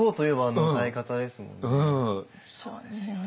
そうですよね。